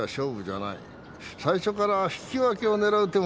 最初から引き分けを狙う手もあります。